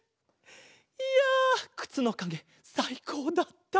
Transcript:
いやくつのかげさいこうだった！